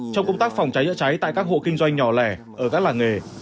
trong công tác phòng cháy chữa cháy tại các hộ kinh doanh nhỏ lẻ ở các làng nghề